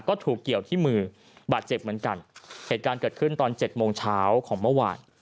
ก็ถูกเกี่ยวที่มือบาดเจ็บเหมือนกันเหตุการณ์เกิดขึ้นตอนเจ็ดโมงเช้าของเมื่อวาน